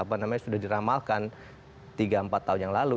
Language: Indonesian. apa namanya sudah diramalkan tiga empat tahun yang lalu